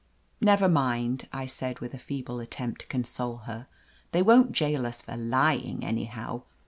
"Never mind," I said, with a feeble attempt to console her, "they won't jail us for lying, anyhow.